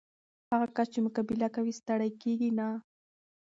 هغه کس چې مقابله کوي، ستړی کېږي نه.